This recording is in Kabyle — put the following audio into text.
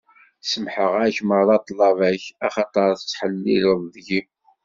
Semmḥeɣ-ak meṛṛa ṭṭlaba-k, axaṭer tettḥellileḍ deg-i.